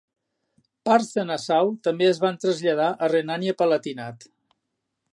Parts de Nassau també es van traslladar a Renània-Palatinat.